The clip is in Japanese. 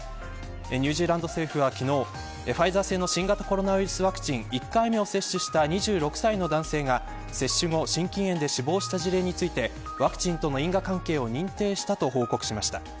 ニュージーランド政府は昨日ファイザー製の新型コロナウイルスワクチン１回目を接種した２６歳の男性が接種後、心筋炎で死亡した事例についてワクチンとの因果関係を認定したと報告しました。